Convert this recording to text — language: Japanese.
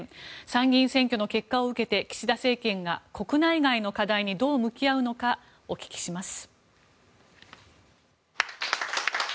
参議院選挙の結果を受けて岸田政権が国内外の課題にどう向き合うのかお聞きします。